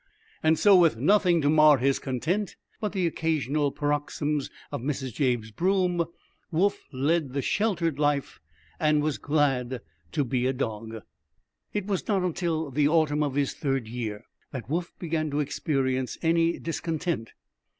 And so, with nothing to mar his content but the occasional paroxysms of Mrs. Jabe's broom, Woof led the sheltered life and was glad to be a dog. III It was not until the autumn of his third year that Woof began to experience any discontent.